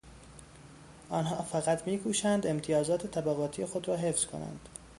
آنها فقط میکوشند امتیازات طبقاتی خود را حفظ کنند.